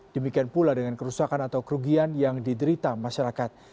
demikian pula dengan kerusakan atau kerugian yang diderita masyarakat